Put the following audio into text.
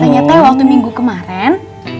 katanya teh waktu minggu kemaren